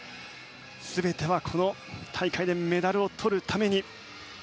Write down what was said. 全ては、この大会でメダルをとるために。